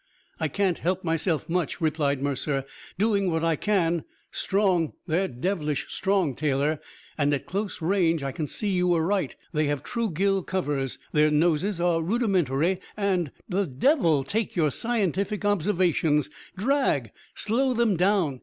"I can't help myself much," replied Mercer. "Doing what I can. Strong they're devilish strong, Taylor. And, at close range, I can see you were right. They have true gill covers; their noses are rudimentary and " "The devil take your scientific observations! Drag! Slow them down.